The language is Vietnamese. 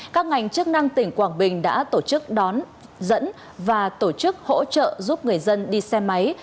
các ngành chức năng tỉnh quảng bình đã tổ chức đón dẫn và tổ chức hỗ trợ giúp người dân đi xe máy